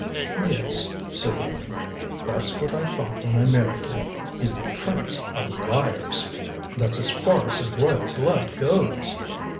"Yes," said the woman, "that's what I thought when I married him. He's the prince of liars that's as far as his royal blood goes."